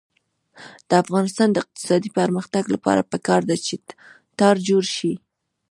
د افغانستان د اقتصادي پرمختګ لپاره پکار ده چې تار جوړ شي.